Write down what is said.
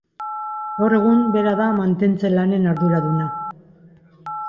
Gaur egun, bera da mantentze lanen arduraduna.